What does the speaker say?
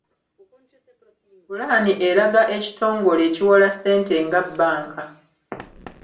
Pulaani eraga ekitongole ekiwola ssente nga bbanka.